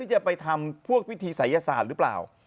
จะไปทำพวกพิธีศัยศาสตร์หรือเปล่า